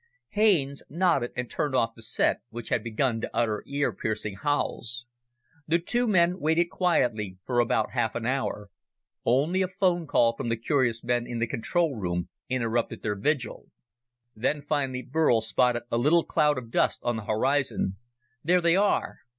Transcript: Haines nodded and turned off the set which had begun to utter ear piercing howls. The two men waited quietly for about half an hour. Only a phone call from the curious men in the control room interrupted their vigil. Then finally Burl spotted a little cloud of dust on the horizon. "There they are!"